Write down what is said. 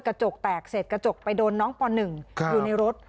กระจกแตกเสร็จกระจกไปโดนน้องป๑อยู่ในรถ